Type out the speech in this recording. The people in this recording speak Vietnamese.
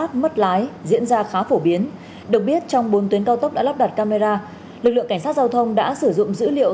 lực lượng cảnh sát giao thông đã sử dụng dữ liệu